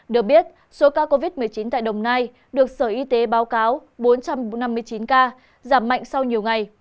được biết số ca covid một mươi chín tại đồng nai được sở y tế báo cáo bốn trăm năm mươi chín ca giảm mạnh sau nhiều ngày